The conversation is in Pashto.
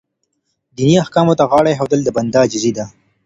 دیني احکامو ته غاړه ایښودل د بنده عاجزي ده.